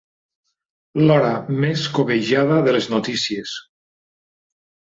L'hora més cobejada de les notícies.